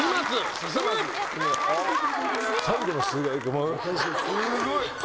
すごい。